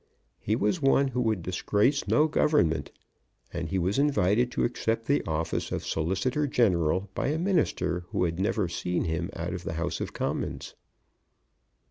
He was one who would disgrace no Government, and he was invited to accept the office of Solicitor General by a Minister who had never seen him out of the House of Commons.